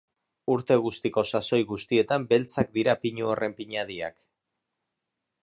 Urte guztiko sasoi guztietan beltzak dira pinu horren pinadiak.